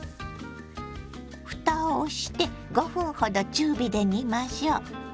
ふたをして５分ほど中火で煮ましょう。